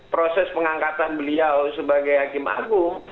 proses pengangkatan beliau sebagai hakim agung